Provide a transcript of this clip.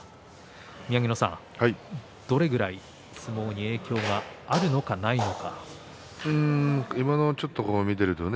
宮城野さん、どれくらい相撲に影響があるのかないのかですね。